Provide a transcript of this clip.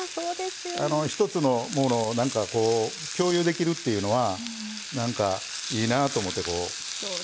一つのものを共有できるっていうのはなんか、いいなと思って。